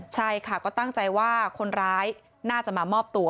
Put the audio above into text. ใช่ค่ะก็ตั้งใจว่าคนร้ายน่าจะมามอบตัว